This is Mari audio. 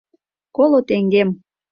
Коло теҥгем.